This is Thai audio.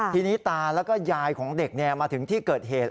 ทีนี้ตาแล้วก็ยายของเด็กมาถึงที่เกิดเหตุ